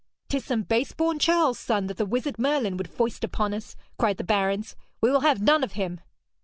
''Tis some base born churl's son that the wizard Merlin would foist upon us!' cried the barons. 'We will have none of him!'